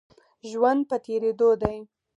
ژوند په تېرېدو دی.